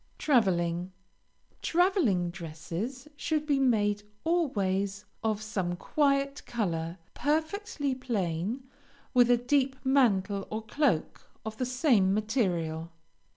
TRAVELING Traveling dresses should be made always of some quiet color, perfectly plain, with a deep mantle or cloak of the same material.